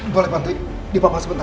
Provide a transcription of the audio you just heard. boleh bantu di papa sebentar